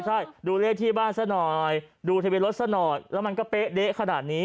ใช่ดูเลขที่บ้านซะหน่อยดูทะเบียนรถซะหน่อยแล้วมันก็เป๊ะเด๊ะขนาดนี้